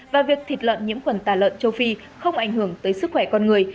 và việc thịt lợn nhiễm khuẩn tà lợn châu phi không ảnh hưởng tới sức khỏe con người